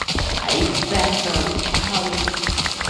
I'll bet that within two years, we'll be shooting that movie.